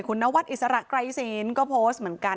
คุณนวัดอิสระไกรศีลก็โพสต์เหมือนกัน